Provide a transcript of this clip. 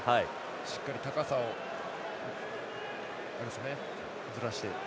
しっかり高さをずらして。